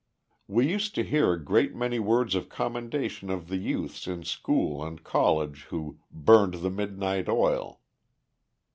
We used to hear a great many words of commendation of the youths in school and college who "burned the midnight oil."